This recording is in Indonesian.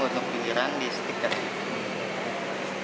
untuk pinggiran di stikers